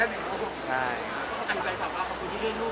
ก็ขอยอดใครรู้หลวงถ้าถามพี่ต้องถ่ายชาวแล้วก็มีแบบว่า